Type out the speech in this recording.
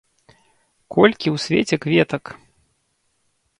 Колькі ў свеце кветак?